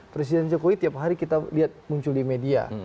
presiden jokowi tiap hari kita lihat muncul di media